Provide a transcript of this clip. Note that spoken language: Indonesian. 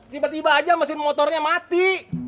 tiba tiba aja mesin motornya mati